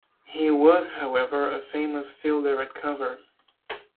He was however a famous fielder at cover.